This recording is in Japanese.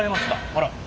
あら。